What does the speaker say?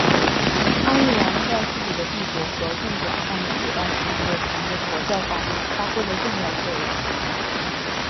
阿育王在自己的帝国和更广泛的古代世界传播佛教方面发挥了重要作用。